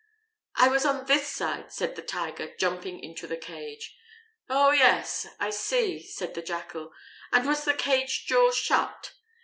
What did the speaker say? "I was on this side," said the Tiger, jumping into the cage. "Oh, yes, I see," said the Jackal. "And was the cage door shut?"